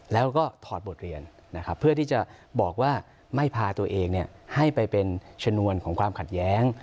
แล้วก็ถอดบทเรียนนะครับเพื่อที่จะบอกว่าไม่พาตัวเองให้ไปเป็นชนวนของความขัดแย้ง